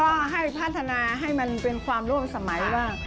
ก็ให้พัฒนาให้มันเป็นความร่วมสมัยว่า